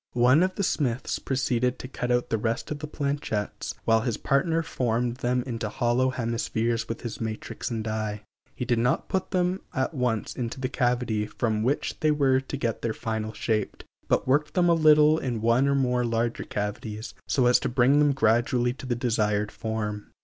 One of the smiths proceeded to cut out the rest of the planchets, while his partner formed them into hollow hemispheres with his matrix and die. He did not put them at once into the cavity from which they were to get their final shape, but first worked them a little in one or more larger cavities, so as to bring them gradually to the desired form.